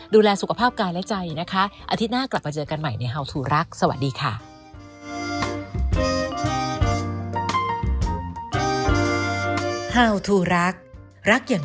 ดูแลสุขภาพกายและใจนะคะอาทิตย์หน้ากลับมาเจอกันใหม่ในเฮาวทูรักสวัสดีค่ะ